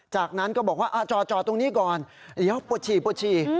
จากนั้นก็บอกว่าจอดตรงนี้ก่อนเดี๋ยวปวดฉี่ปวดฉี่